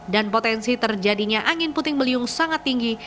dan potensi terjadinya angin puting beliung sangat tinggi